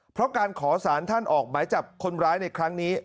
เพราะการขอสารท่านออกหมายจับคนร้ายในครั้งนี้